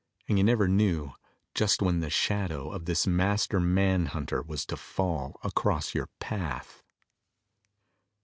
And you never knew just when the shadow of this master manhunter was to fall across your path.